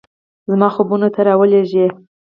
زما خوبونو ته راولیږئ